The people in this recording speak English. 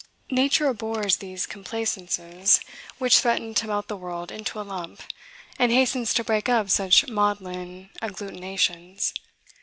Nature abhors these complaisances, which threaten to melt the world into a lump, and hastens to break up such maudlin agglutinations.